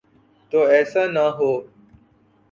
تو ایسا نہ ہو۔